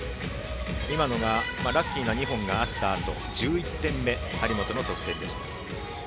今のはラッキーな２本があったあと１１点目、張本の得点でした。